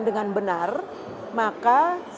dengan benar maka